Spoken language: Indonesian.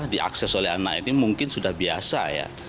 diakses oleh anak ini mungkin sudah biasa ya